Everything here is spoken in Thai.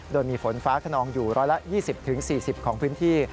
โดยมีฝนฟ้าขนองอยู่๑๒๐๔๐ของพื้นที่